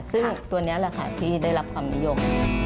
ซึ่งตัวนี้แหละค่ะที่ได้รับความนิยม